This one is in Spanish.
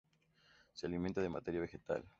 Se alimenta de materia vegetal.